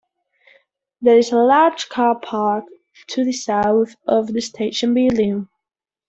There is a large car park to the south of the station building.